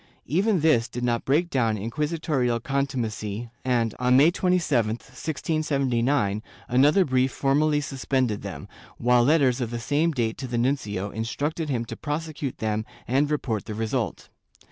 Even this did not break down inquisitorial contumacy and, on May 27, 1679, another brief formally suspended them, while letters of the same date to the nuncio instructed him to prosecute them and report the result.